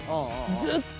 ずっと。